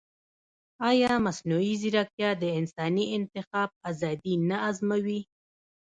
ایا مصنوعي ځیرکتیا د انساني انتخاب ازادي نه ازموي؟